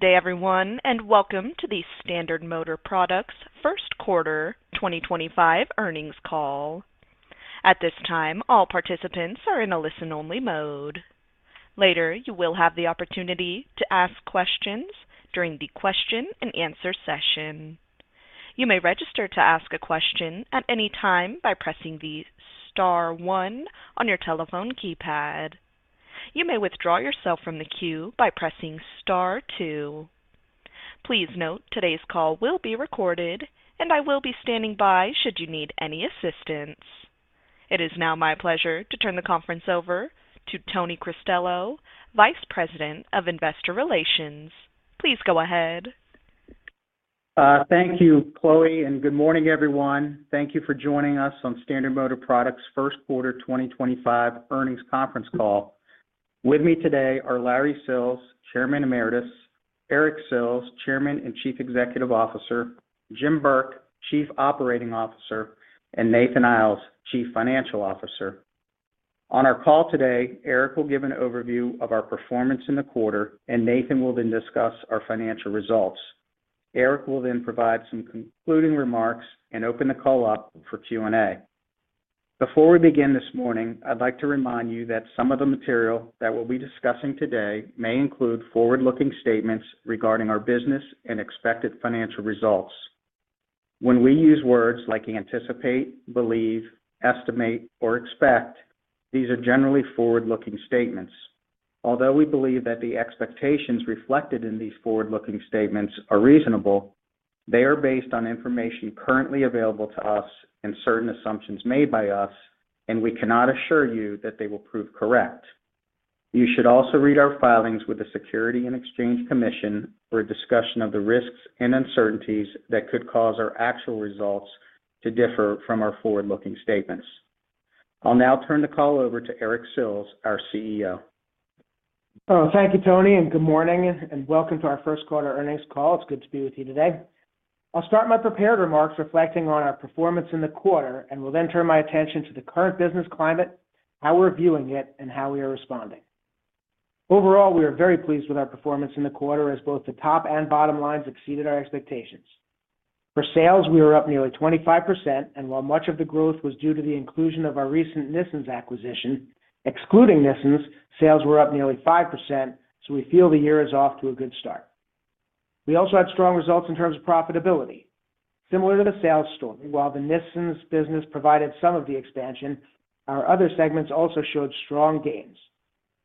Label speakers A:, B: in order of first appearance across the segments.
A: Good day everyone and welcome to the Standard Motor Products first quarter 2025 earnings call. At this time, all participants are in a listen only mode. Later you will have the opportunity to ask questions during the question and answer session. You may register to ask a question at any time by pressing the Star one on your telephone keypad. You may withdraw yourself from the queue by pressing Star two. Please note today's call will be recorded and I will be standing by should you need any assistance. It is now my pleasure to turn the conference over to Tony Cristello, Vice President of Investor Relations. Please go ahead.
B: Thank you, Chloe, and good morning everyone. Thank you for joining us on Standard Motor Products first quarter 2025 earnings conference call. With me today are Larry Sills, Chairman Emeritus, Eric Sills, Chairman and Chief Executive Officer, Jim Burke, Chief Operating Officer, and Nathan Iles, Chief Financial Officer. On our call today, Eric will give an overview of our performance in the quarter and Nathan will then discuss our financial results. Eric will then provide some concluding remarks and open the call up for Q and A. Before we begin this morning, I'd like. To remind you that some of the material that we'll be discussing today may include forward looking statements regarding our business and expected financial results. When we use words like anticipate, believe, estimate or expect, these are generally forward looking statements. Although we believe that the expectations reflected in these forward looking statements are reasonable, they are based on information currently available to us and certain assumptions made by us and we cannot assure you that they will prove correct. You should also read our filings with the SEC for a discussion of the risks and uncertainties that could cause our actual results to differ from our forward looking statements. I'll now turn the call over to Eric Sills, our CEO.
C: Thank you Tony and good morning and welcome to our first quarter earnings call. It's good to be with you today. I'll start my prepared remarks reflecting on our performance in the quarter and will then turn my attention to the current business climate, how we're viewing it and how we are responding. Overall, we are very pleased with our performance in the quarter. As both the top and bottom lines exceeded our expectations for sales. We were up nearly 25% and while much of the growth was due to the inclusion of our recent Nissens acquisition, excluding Nissens, sales were up nearly 5% and so we feel the year is off to a good start. We also had strong results in terms of profitability. Similar to the sales story. While the Nissens business provided some of the expansion, our other segments also showed strong gains.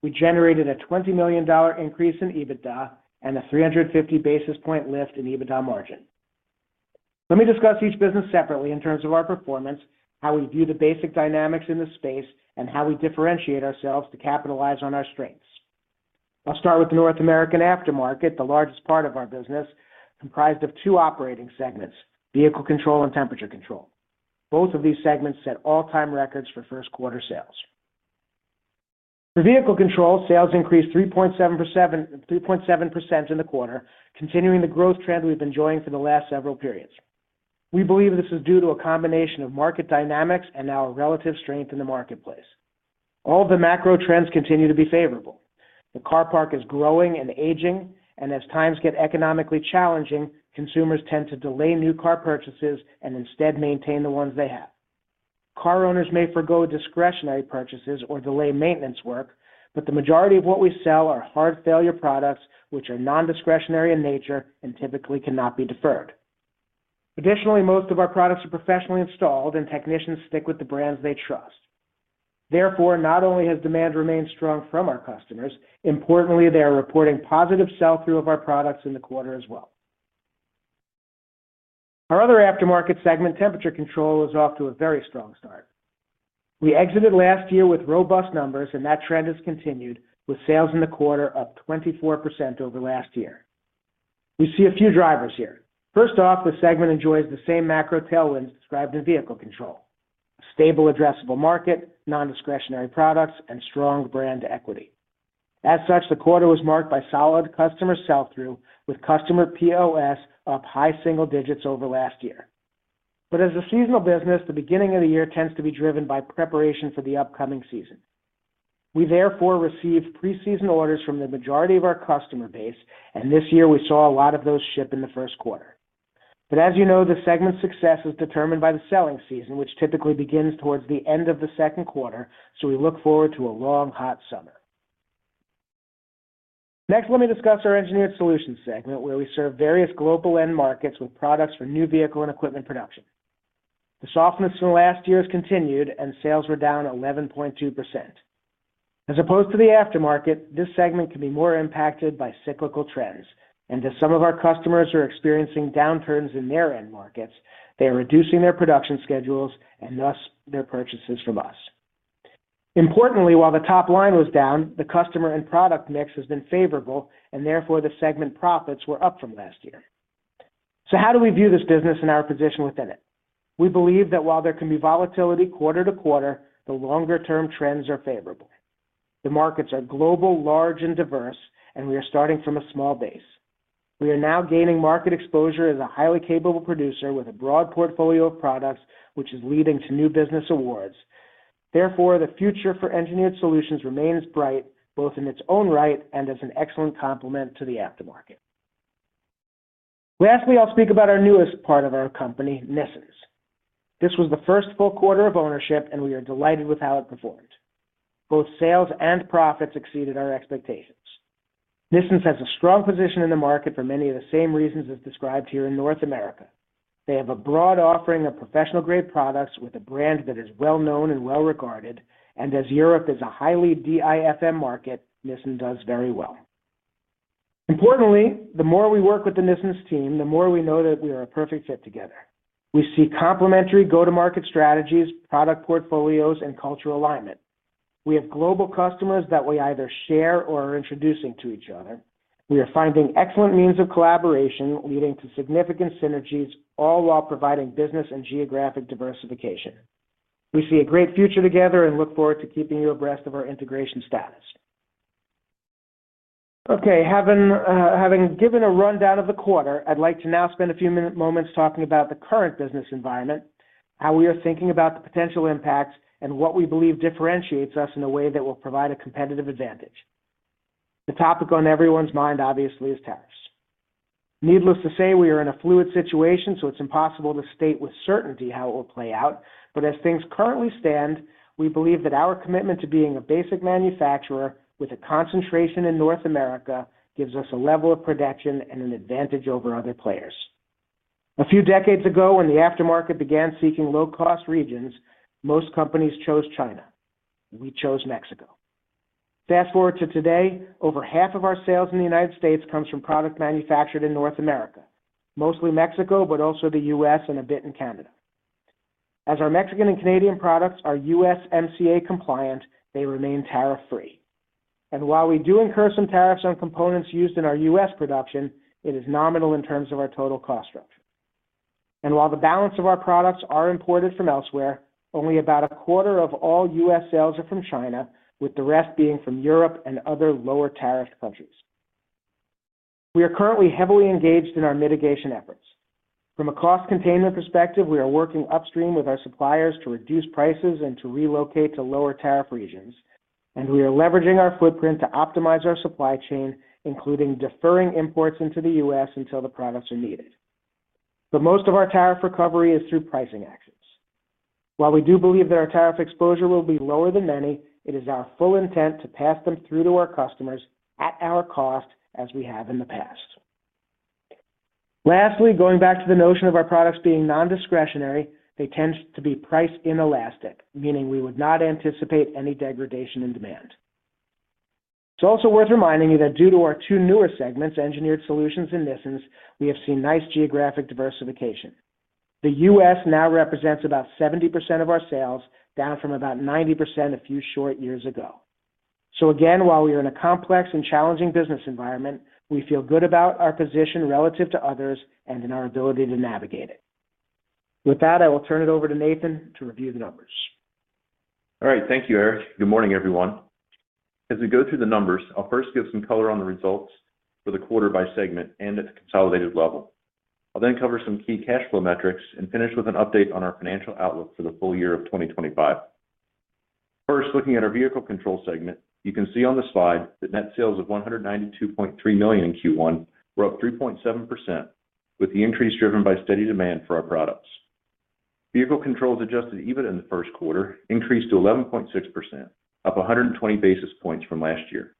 C: We generated a $20 million increase in EBITDA and a 350 basis point lift in EBITDA margin. Let me discuss each business separately in terms of our performance, how we view the basic dynamics in the space, and how we differentiate ourselves to capitalize on our strengths. I'll start with the North American aftermarket, the largest part of our business comprised of two operating segments, Vehicle Control and Temperature Control. Both of these segments set all time records for first quarter sales. For Vehicle Control, sales increased 3.7% in the quarter, continuing the growth trend we've been enjoying for the last several periods. We believe this is due to a combination of market dynamics and our relative strength in the marketplace. All of the macro trends continue to be favorable. The car park is growing and aging and as times get economically challenging, consumers tend to delay new car purchases and instead maintain the ones they have. Car owners may forgo discretionary purchases or delay maintenance work, but the majority of what we sell are hard failure products which are non discretionary in nature and typically cannot be deferred. Additionally, most of our products are professionally installed and technicians stick with the brands they trust. Therefore, not only has demand remained strong from our customers, importantly they are reporting positive sell through of our products in the quarter as well. Our other aftermarket segment, Temperature Control, is off to a very strong start. We exited last year with robust numbers and that trend has continued with sales in the quarter up 24% over last year. We see a few drivers here. First off, the segment enjoys the same macro tailwinds described in Vehicle Control, stable addressable market, non-discretionary products, and strong brand equity. As such, the quarter was marked by solid customer sell-through with customer POS up high single digits over last year. As a seasonal business, the beginning of the year tends to be driven by preparation for the upcoming season. We therefore receive preseason orders from the majority of our customer base, and this year we saw a lot of those ship in the first quarter. As you know, the segment's success is determined by the selling season, which typically begins towards the end of the second quarter. We look forward to a long hot summer. Next, let me discuss our Engineered Solutions segment, where we serve various global end markets with products for new vehicle and equipment production. The softness from last year has continued and sales were down 11.2% as opposed to the aftermarket. This segment can be more impacted by cyclical trends and as some of our customers are experiencing downturns in their end markets, they are reducing their production schedules and thus their purchases from us. Importantly, while the top line was down, the customer and product mix has been favorable and therefore the segment profits were up from last year. How do we view this business and our position within it? We believe that while there can be volatility quarter to quarter, the longer term trends are favorable. The markets are global, large and diverse and we are starting from a small base. We are now gaining market exposure as a highly capable producer with a broad portfolio of products which is leading to new business awards. Therefore, the future for Engineered Solutions remains bright, both in its own right and as an excellent complement to the aftermarket. Lastly, I'll speak about our newest part of our company, Nissens. This was the first full quarter of ownership and we are delighted with how it performed. Both sales and profits exceeded our expectations. Nissens has a strong position in the market for many of the same reasons as described here. In North America they have a broad offering of professional grade products with a brand that is well known and well regarded. As Europe is a highly DIFM market, Nissens does very well. Importantly, the more we work with the Nissens team, the more we know that we are a perfect fit. Together, we see complementary go to market strategies, product portfolios and cultural alignment. We have global customers that we either share or are introducing to each other. We are finding excellent means of collaboration leading to significant synergies, all while providing business and geographic diversification. We see a great future together and look forward to keeping you abreast of our integration status. Okay, having given a rundown of the quarter, I'd like to now spend a few moments talking about the current business environment, how we are thinking about the potential impacts and what we believe differentiates us in a way that will provide a competitive advantage. The topic on everyone's mind obviously is tariffs. Needless to say, we are in a fluid situation, so it's impossible to state with certainty how it will play out. As things currently stand, we believe that our commitment to being a basic manufacturer with a concentration in North America gives us a level of protection and an advantage over other players. A few decades ago, when the aftermarket began seeking low cost regions, most companies chose China, we chose Mexico. Fast forward to today. Over half of our sales in the United States comes from product manufactured in North America, mostly Mexico, but also the U.S. and a bit in Canada. As our Mexican and Canadian products are USMCA compliant, they remain tariff free. While we do incur some tariffs on components used in our U.S. production and it is nominal in terms of our total cost structure, the balance of our products are imported from elsewhere. Only about a quarter of all U.S. sales are from China, with the rest being from Europe and other lower tariff countries. We are currently heavily engaged in our mitigation efforts from a cost containment perspective. We are working upstream with our suppliers to reduce prices and to relocate to lower tariff regions, and we are leveraging our footprint to optimize our supply chain, including deferring imports into the U.S. until the products are needed. Most of our tariff recovery is through pricing actions. While we do believe that our tariff exposure will be lower than many, it is our full intent to pass them through to our customers at our cost as we have in the past. Lastly, going back to the notion of our products being non-discretionary, they tend to be price inelastic, meaning we would not anticipate any degradation in demand. It's also worth reminding you that due to our two newer segments, Engineered Solutions and Nissens, we have seen nice geographic diversification. The U.S. now represents about 70% of our sales, down from about 90% a few short years ago. Again, while we are in a complex and challenging business environment, we feel good about our position relative to others and in our ability to navigate it. With that, I will turn it over to Nathan to review the numbers.
D: All right, thank you Eric. Good morning everyone. As we go through the numbers, I'll first give some color on the results for the quarter by segment and at the consolidated level. I'll then cover some key cash flow metrics and finish with an update on our financial outlook for the full year of 2025. First, looking at our Vehicle Control segment, you can see on the slide that net sales of $192.3 million in Q1 were up 3.7%, with the increase driven by steady demand for our products. Vehicle Control's adjusted EBITDA in the first quarter increased to 11.6%, up 120 basis points from last year.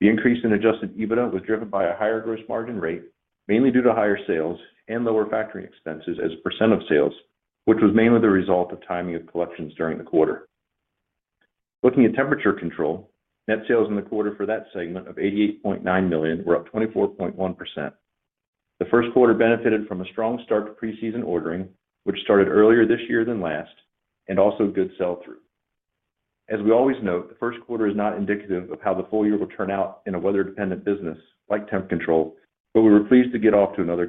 D: The increase in adjusted EBITDA was driven by a higher gross margin rate, mainly due to higher sales and lower factoring expenses as a percent of sales, which was mainly the result of timing of collections during the quarter. Looking at Temperature Control, net sales in the quarter for that segment of $88.9 million were up 24.1%. The first quarter benefited from a strong start to preseason ordering which started earlier this year than last and also good sell through. As we always note, the first quarter is not indicative of how the full year will turn out in a weather dependent business like Temp Control, but we were pleased to get off to another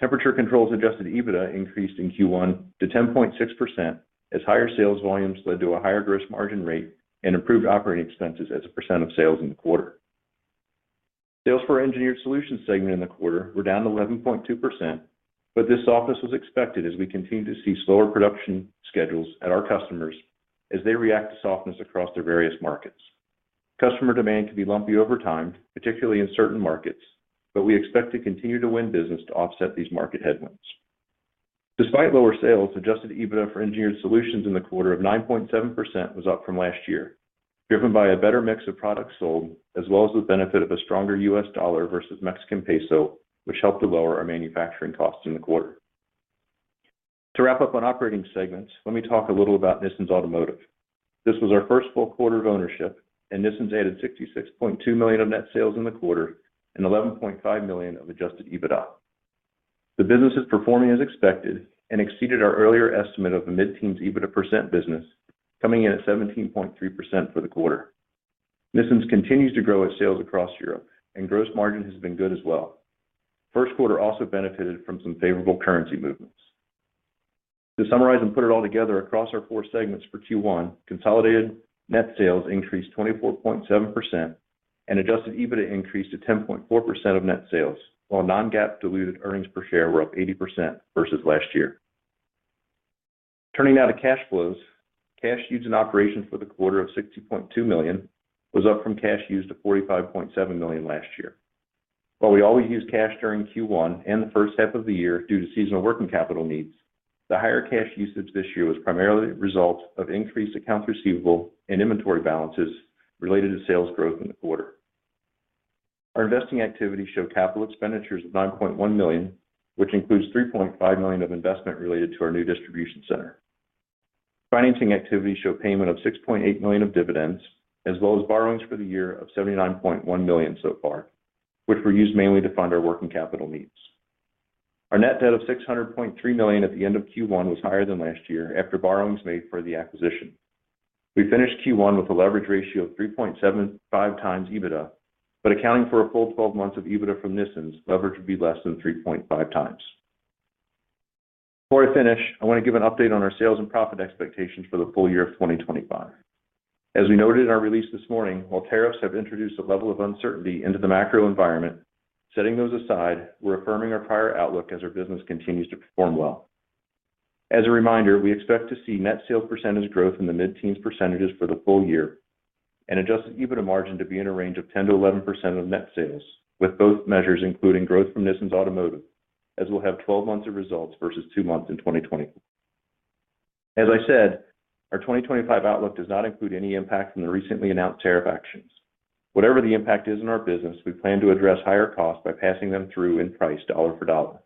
D: good start. Temperature Control's adjusted EBITDA increased in Q1 to 10.6% as higher sales volumes led to a higher gross margin rate and improved operating expenses as a percent of sales in the quarter. Sales for Engineered Solutions segment in the quarter were down 11.2%, but this softness was expected as we continue to see slower production schedules at our customers as they react to softness across their various markets. Customer demand can be lumpy over time, particularly in certain markets, but we expect to continue to win business to offset these market headwinds. Despite lower sales, adjusted EBITDA for Engineered Solutions in the quarter of 9.7% was up from last year driven by a better mix of products sold as well as the benefit of a stronger U.S. dollar versus Mexican peso which helped to lower our manufacturing costs in the quarter. To wrap up on operating segments, let me talk a little about Nissens Automotive. This was our first full quarter of ownership and Nissens added $66.2 million of net sales in the quarter and $11.5 million of adjusted EBITDA. The business is performing as expected and exceeded our earlier estimate of the mid teens EBITDA percent business coming in at 17.3% for the quarter. Nissens continues to grow its sales across Europe and gross margin has been good as well. First quarter also benefited from some favorable currency movements. To summarize and put it all together, across our four segments for Q1 consolidated net sales increased 24.7% and adjusted EBITDA increased to 10.4% of net sales while non-GAAP diluted earnings per share were up 80% versus last year. Turning now to cash flows, cash used in operations for the quarter of $60.2 million was up from cash used of $45.7 million last year. While we always use cash during Q1 and the first half of the year due to seasonal working capital needs, the higher cash usage this year was primarily a result of increased accounts receivable and inventory balances related to sales growth in the quarter. Our investing activities show capital expenditures of $9.1 million which includes $3.5 million of investment related to our new distribution center. Financing activities show payment of $6.8 million of dividends as well as borrowings for the year of $79.1 million so far, which were used mainly to fund our working capital needs. Our net debt of $600.3 million at the end of Q1 was higher than last year after borrowings made for the acquisition. We finished Q1 with a leverage ratio of 3.75 times EBITDA, but accounting for a full 12 months of EBITDA from Nissens leverage would be less than 3.5 times. Before I finish, I want to give an update on our sales and profit expectations for the full year of 2025. As we noted in our release this morning, while tariffs have introduced a level of uncertainty into the macro environment, setting those aside, we're affirming our prior outlook as our business continues to perform well. As a reminder, we expect to see net sales percentage growth in the mid-teens percentages for the full year and adjusted EBITDA margin to be in a range of 10%-11% of net sales, with both measures including growth from Nissens Automotive as we'll have 12 months of results versus 2 months in 2020. As I said, our 2025 outlook does not include any impact from the recently announced tariff actions. Whatever the impact is in our business, we plan to address higher costs by passing them through in price dollar for dollar.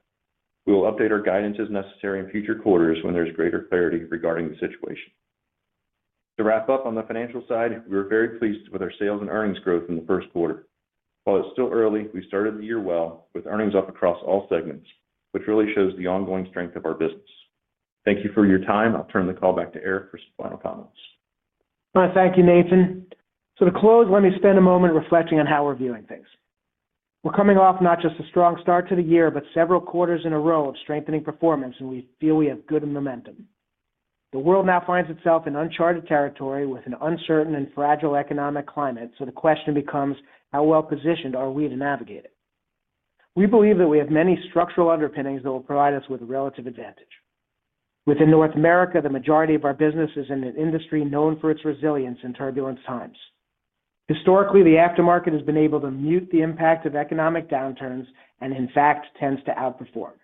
D: We will update our guidance as necessary in future quarters when there's greater clarity regarding the situation. To wrap up on the financial side, we were very pleased with our sales and earnings growth in the first quarter. While it's still early, we started the year well with earnings up across all segments, which really shows the ongoing strength of our business. Thank you for your time. I'll turn the call back to Eric for some final comments.
C: Thank you, Nathan. To close, let me spend a moment reflecting on how we're viewing things. We're coming off not just a strong start to the year, but several quarters in a row of strengthening performance, and we feel we have good momentum. The world now finds itself in uncharted territory with an uncertain and fragile economic climate, so the question becomes how well positioned are we to navigate it? We believe that we have many structural underpinnings that will provide us with a relative advantage within North America. The majority of our business is in an industry known for its resilience in turbulent times. Historically, the aftermarket has been able to mute the impact of economic downturns and in fact tends to outperform.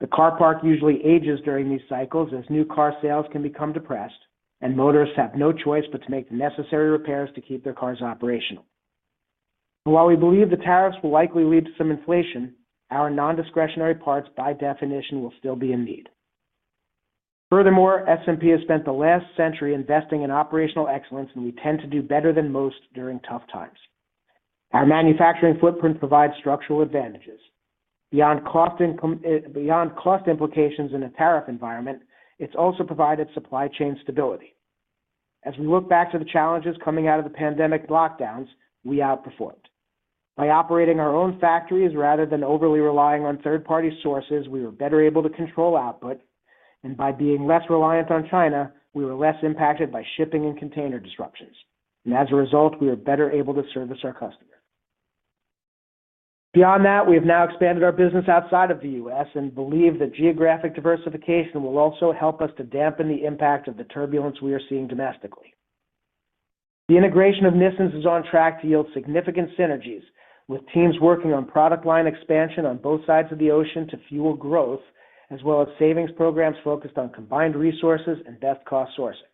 C: The car park usually ages during these cycles as new car sales can become depressed and motorists have no choice but to make the necessary repairs to keep their cars operational. While we believe the tariffs will likely lead to some inflation, our non-discretionary parts by definition will still be in need. Furthermore, SMP has spent the last century investing in operational excellence and we tend to do better than most during tough times. Our manufacturing footprint provides structural advantages beyond cost implications. In a tariff environment, it has also provided supply chain stability. As we look back to the challenges coming out of the pandemic lockdowns, we outperformed by operating our own factories. Rather than overly relying on third party sources, we were better able to control output and by being less reliant on China, we were less impacted by shipping and container disruptions and as a result we were better able to service our customers. Beyond that, we have now expanded our business outside of the U.S. and believe that geographic diversification will also help us to dampen the impact of the turbulence we are seeing domestically. The integration of Nissens is on track to yield significant synergies with teams working on product line expansion on both sides of the ocean to fuel growth, as well as savings programs focused on combined resources and best cost sourcing.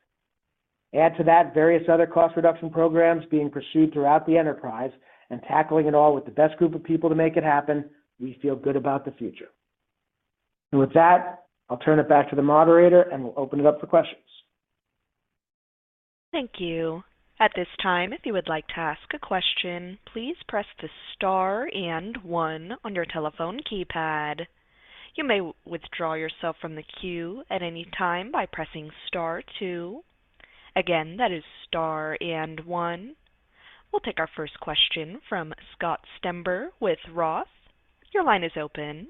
C: Add to that various other cost reduction programs being pursued throughout the enterprise and tackling it all with the best group of people to make it happen. We feel good about the future. With that, I'll turn it back to the moderator and we'll open it up for questions.
A: Thank you. At this time, if you would like to ask a question, please press the star and one on your telephone keypad. You may withdraw yourself from the queue at any time by pressing star two. Again, that is star and one. We'll take our first question from Scott Stember with Roth. Your line is open.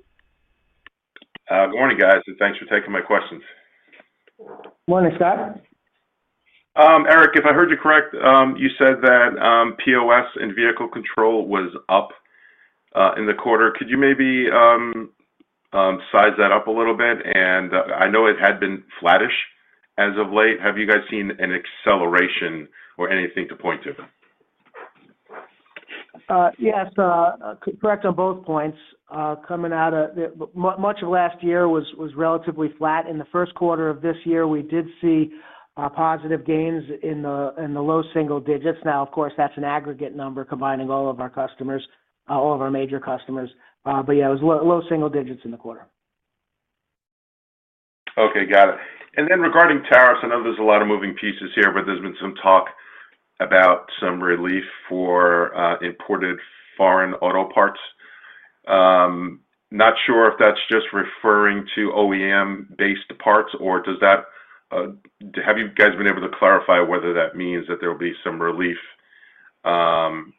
E: Good morning guys and thanks for taking my questions.
C: Morning, Scott.
E: Eric, if I heard you correct, you said that POS and Vehicle Control was up in the quarter. Could you maybe size that up a little bit? I know it had been flattish as of late. Have you guys seen an acceleration or anything to point to?
C: Yes, correct on both points. Coming out of much of last year was relatively flat. In the first quarter of this year we did see positive gains in the low single digits. Now of course that's an aggregate number combining all of our customers, all of our major customers. Yeah, it was low single digits in the quarter.
E: Okay, got it. Regarding tariffs, I know there's a lot of moving pieces here, but there's been some talk about some relief for imported foreign auto parts. Not sure if that's just referring to OEM based parts or does that have you guys been able to clarify whether that means that there will be some relief,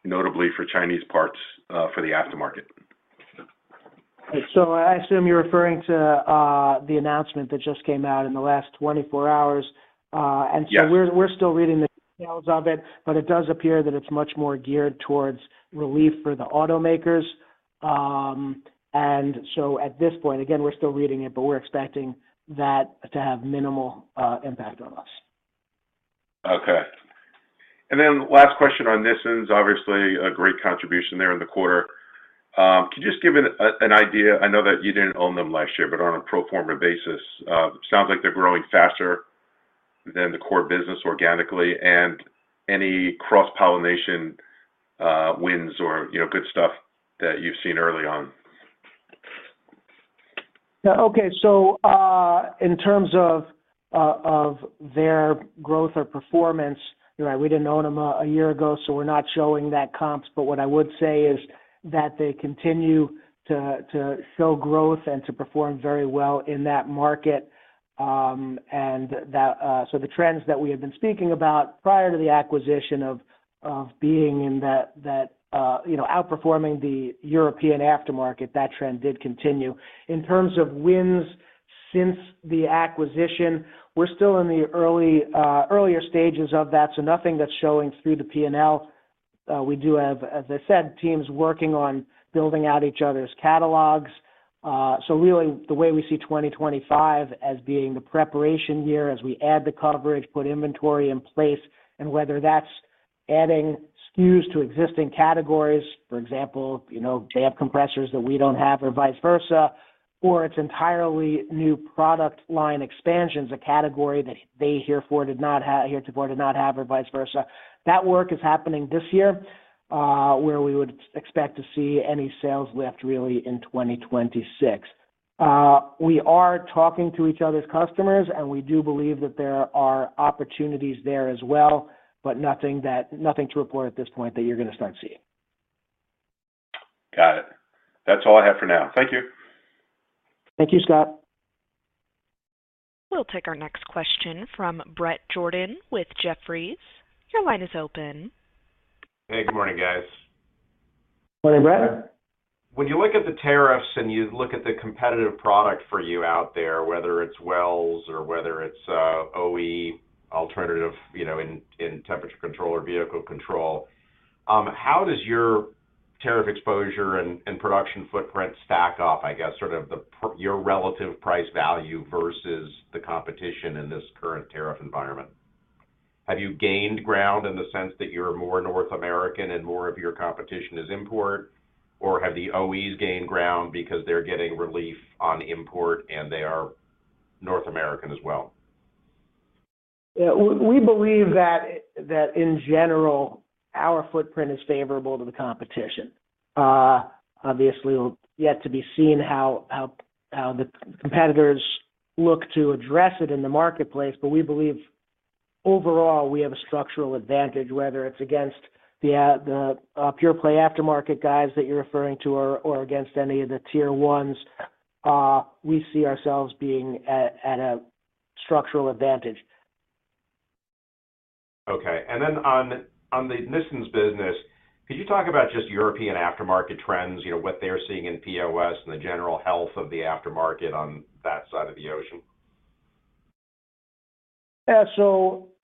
E: notably for Chinese parts for the aftermarket?
C: I assume you're referring to the announcement that just came out in the last 24 hours, and we're still reading the details of it, but it does appear that it's much more geared towards relief for the automakers. At this point, again, we're still reading it, but we're expecting that to have minimal impact on us.
E: Okay, and then last question on Nissens, obviously a great contribution there in the quarter. Can you just give an idea? I know that you did not own them last year, but on a pro forma basis, sounds like they are growing faster than the core business organically and any cross pollination wins or good stuff that you have seen early on.
C: Okay. In terms of their growth or performance, we did not own them a year ago, so we are not showing that comps. What I would say is that they continue to show growth and to perform very well in that market. The trends that we have been speaking about, probably prior to the acquisition of being in that, you know, outperforming the European aftermarket, that trend did continue in terms of wins since the acquisition. We are still in the earlier stages of that. Nothing is showing through the P&L. We do have, as I said, teams working on building out each other's catalogs. Really the way we see 2025 as being the preparation year as we add the coverage, put inventory in place and whether that's adding SKUs to existing categories, for example, you know, they have compressors that we don't have, or vice versa, or it's entirely new product line expansions, a category that they heretofore did not have, or vice versa. That work is happening this year where we would expect to see any sales lift really in 2026. We are talking to each other's customers and we do believe that there are opportunities there as well, but nothing to report at this point that you're going to start seeing.
E: Got it. That's all I have for now. Thank you.
C: Thank you, Scott.
A: We'll take our next question from Bret Jordan with Jefferies. Your line is open.
F: Hey, good morning, guys.
C: Morning. Bret.
F: When you look at the tariffs and you look at the competitive product for you out there, whether it's Wells or whether it's OE alternative, you know, in Temperature Control or Vehicle Control, how does your tariff exposure and production footprint stack up? I guess sort of the, your relative price value versus the competition in this current tariff environment, have you gained ground in the sense that you're more North American and more of your competition is import or have the OEs gained ground because they're getting relief on import and they are North American as well?
C: We believe that in general, our footprint is favorable to the competition, obviously, yet to be seen how the competitors look to address it in the marketplace. We believe overall we have a structural advantage. Whether it's against the pure play aftermarket guys that you're referring to or against any of the tier ones, we see ourselves being at a structural advantage.
F: Okay. On the Nissens business, could you talk about just European aftermarket trends, you know, what they're seeing in POS and the general health of the aftermarket on that side of the ocean.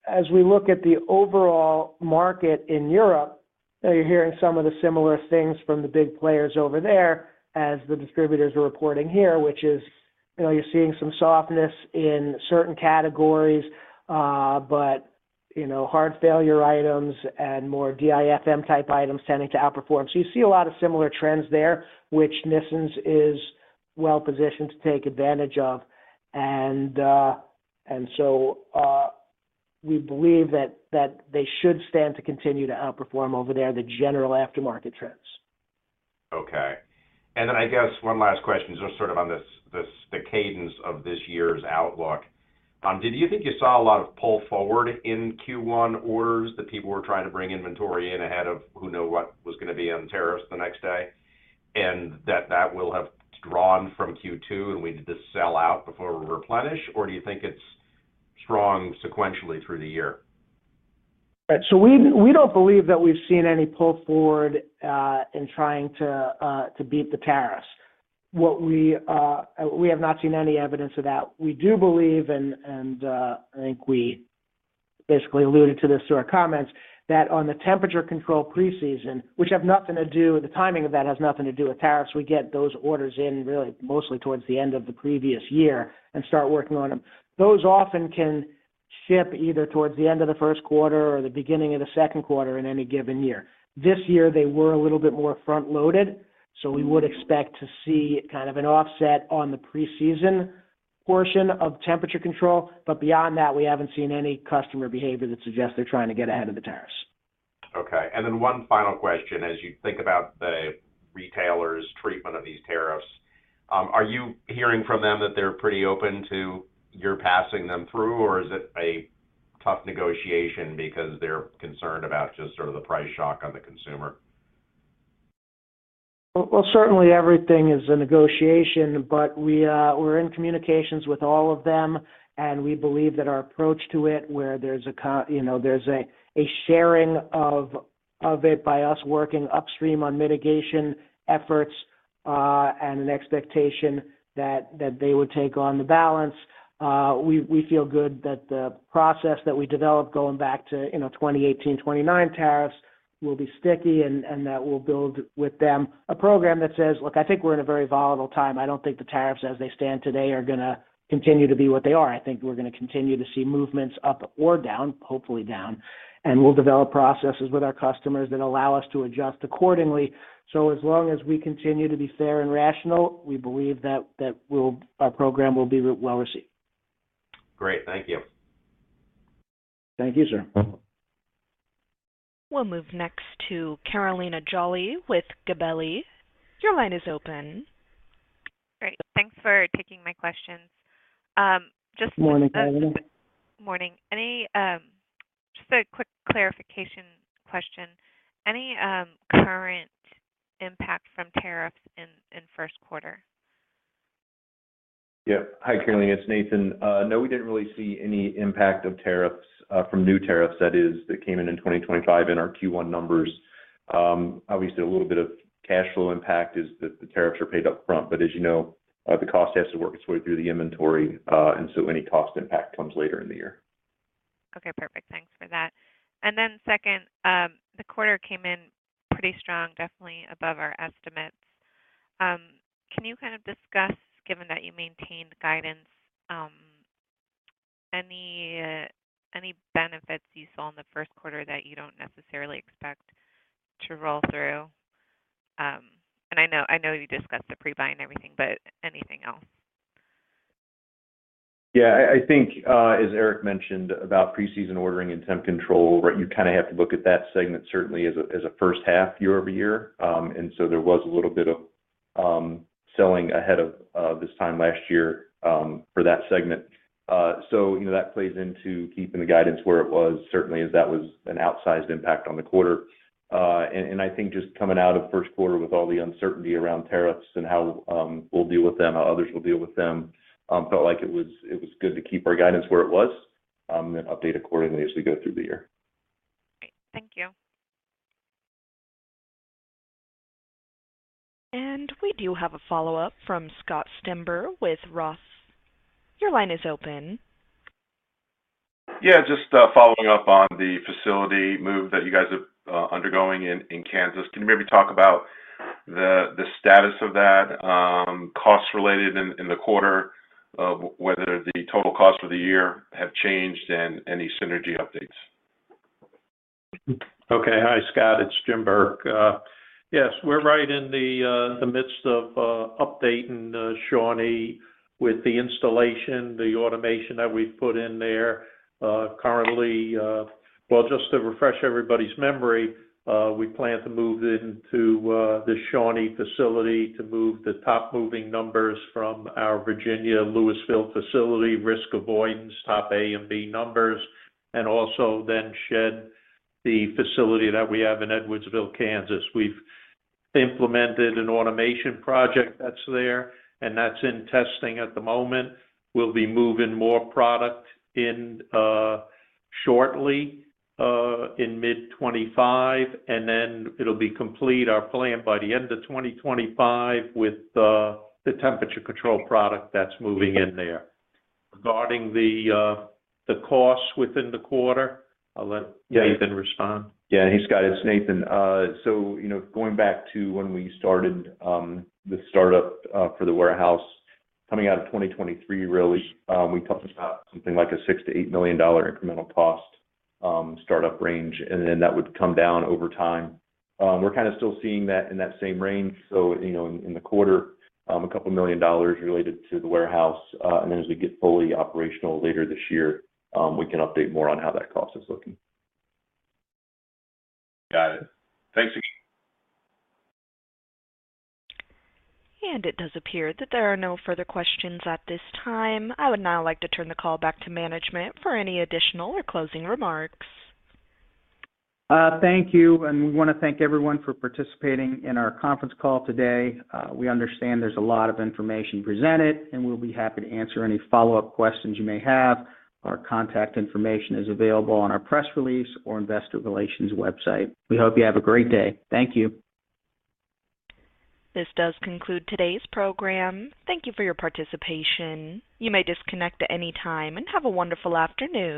C: As we look at the overall market in Europe, you're hearing some of the similar things from the big players over there as the distributors are reporting here, which is, you know, you're seeing some softness in certain categories, but you know, hard failure items and more DIFM type items tending to outperform. You see a lot of similar trends there, which Nissens is well positioned to take advantage of, and we believe that they should stand to continue to outperform over there, the general aftermarket trends.
F: Okay. I guess one last question just sort of on this, the cadence of this year's outlook. Did you think you saw a lot of pull forward in Q1 orders that people were trying to bring inventory in ahead of who knew what was going to be on tariffs the next day and that that will have drawn from Q2 and we did sell out before we replenish or do you think it's strong sequentially through the year?
C: We do not believe that we have seen any pull forward in trying to beat the tariffs. We have not seen any evidence of that. We do believe, and I think we basically alluded to this through our comments, that on the Temperature Control preseason, which have nothing to do, the timing of that has nothing to do with tariffs. We get those orders in really mostly towards the end of the previous year and start working on them. Those often can ship either towards the end of the first quarter or the beginning of the second quarter in any given year. This year they were a little bit more front loaded. We would expect to see kind of an offset on the preseason portion of Temperature Control. Beyond that, we have not seen any customer behavior that suggests they are trying to get ahead of the tariffs.
F: Okay. One final question. As you think about the retailers' treatment of these tariffs, are you hearing from them that they're pretty open to your passing them through, or is it a tough negotiation because they're concerned about just sort of the price shock on the consumer?
C: Certainly everything is a negotiation, but we're in communications with all of them and we believe that our approach to it, where there's a, you know, there's a sharing of it by us working upstream on mitigation efforts and an expectation that they would take on the balance. We feel good that the process that we develop going back to, you know, 2018, 2019 tariffs will be sticky and that will build with them a program that says, look, I think we're in a very volatile time. I don't think the tariffs as they stand today are going to continue to be what they are. I think we're going to continue to see movements up or down, hopefully down, and we'll develop processes with our customers that allow us to adjust accordingly. As long as we continue to be fair and rational, we believe that our program will be well received.
F: Great. Thank you.
C: Thank you, sir.
A: We'll move next to Carolina Jolly with Gabelli. Your line is open.
G: Great. Thanks for taking my questions. Morning. Any, just a quick clarification question. Any current impact from tariffs in first quarter?
D: Yeah, hi Carolina, it's Nathan. No, we didn't really see any impact of tariffs from new tariffs that is that came in in 2025 in our Q1 numbers. Obviously a little bit of cash flow impact is that the tariffs are paid up front but as you know, the cost has to work its way through the inventory and so any cost impact comes later in the year.
G: Okay, perfect. Thanks for that. Then second, the quarter came in pretty strong, definitely above our estimates. Can you kind of discuss, given that you maintained guidance, any benefits you saw in the first quarter that you do not necessarily expect to roll through? I know you discussed the pre buy and everything, but anything else?
D: Yeah, I think as Eric mentioned about preseason ordering and temp control. Right. You kind of have to look at that segment certainly as a first half year-over-year. There was a little bit of selling ahead of this time last year for that segment. You know, that plays into keeping the guidance where it was certainly as that was an outsized impact on the quarter. I think just coming out of first quarter with all the uncertainty around tariffs and how we'll deal with them, how others will deal with them, felt like it was good to keep our guidance where it was then update accordingly as we go through the year.
G: Thank you.
A: We do have a follow up from Scott Stember with Roth. Your line is open.
E: Yeah, just following up on the facility move that you guys are undergoing in Kansas. Can you maybe talk about the status of that, costs related in the quarter, whether the total cost for the year have changed and any synergy updates.
H: Okay. Hi Scott, it's Jim Burke. Yes, we're right in the midst of updating Shawnee with the installation, the automation that we've put in there currently. Just to refresh everybody's memory, we plan to move into the Shawnee facility to move the top moving numbers from our Virginia Lewisville facility. Risk of all avoidance, top A and B numbers and also then shed the facility that we have in Edwardsville, Kansas. We've implemented an automation project that's there and that's in testing at the moment. We'll be moving more product in shortly, in mid 2025 and then it'll be complete our plan by the end of 2025 with the Temperature Control product that's moving in there. Regarding the costs within the quarter, I'll let Nathan respond.
D: Yeah, hey Scott, it's Nathan. You know, going back to when we started the startup for the warehouse coming out of 2023, really, we talked about something like a $6 million-$8 million incremental cost startup range and then that would come down over time. We're kind of still seeing that in that same range. You know, in the quarter a couple million dollars related to the warehouse and then as we get fully operational later this year, we can update more on how that cost is looking.
E: Got it. Thanks again.
A: It does appear that there are no further questions at this time. I would now like to turn the call back to management for any additional or closing remarks.
C: Thank you. We want to thank everyone for. Participating in our conference call today. We understand there's a lot of information presented and we'll be happy to answer any follow up questions you may have. Our contact information is available on our press release or investor relations website. We hope you have a great day. Thank you.
A: This does conclude today's program. Thank you for your participation. You may disconnect at any time and have a wonderful afternoon.